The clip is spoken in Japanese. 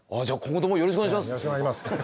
じゃあ今後ともよろしくお願いします。